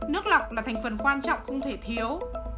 nước lọc là thành phần quan trọng không thể thiếu